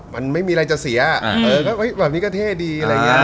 มันไม่มีอะไรจะเสียแบบนี้ก็เท่ดี